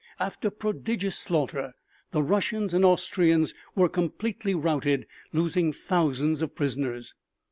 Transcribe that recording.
After prodigious slaughter the Russians and Austrians were completely routed, losing thousands of prisoners.